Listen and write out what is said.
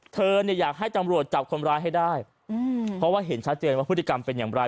เธอเนี่ยอยากให้ตำรวจจับคนร้ายให้ได้เพราะว่าเห็นชัดเจนว่าพฤติกรรมเป็นอย่างไร